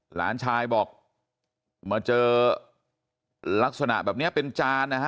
หลานชายบอกมาเจอลักษณะแบบนี้เป็นจานนะฮะ